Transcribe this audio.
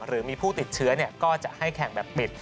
หรือมีผู้ติดเชื้อก็จะให้แข่งแบบปิด